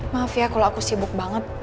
maaf ya kalau aku sibuk banget